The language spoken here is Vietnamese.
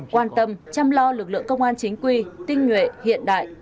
quan tâm chăm lo lực lượng công an chính quy tinh nguyện hiện đại